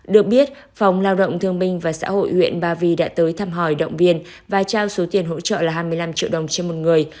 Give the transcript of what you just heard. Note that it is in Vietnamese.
được biết phòng lao động thương minh và xã hội huyện ba vì đã tới thăm hỏi động viên và trao số tiền hỗ trợ là hai mươi năm triệu đồng trên một người